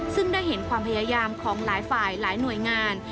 ซึ่งได้เห็นความพยายามของหลายฝ่ายหลายหน่วยงาน